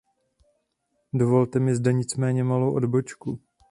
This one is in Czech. Dovolte mi zde nicméně malou odbočku.